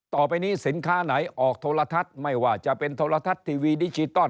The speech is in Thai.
ต่อไปนี้สินค้าไหนออกโทรทัศน์ไม่ว่าจะเป็นโทรทัศน์ทีวีดิจิตอล